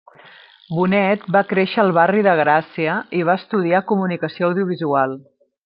Bonet va créixer al barri de Gràcia i va estudiar Comunicació Audiovisual.